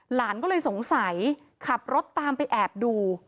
หลานก็เลยสงสัยขับรถตามไปแอบดู